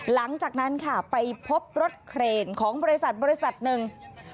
หลังจากนั้นค่ะไปพบรถเครนของบริษัทบริษัทหนึ่ง